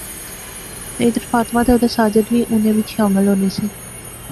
تہ ادھر فاطمہ تہ اُدھر ساجد وی انیں وچ شامل ہونے سے